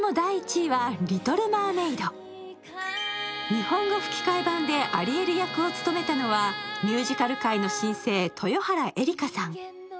日本語吹き替え版でアリエル役を務めたのはミュージカル界の新星・豊原江理佳さん。